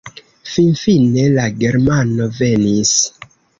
Finfine la germano venis.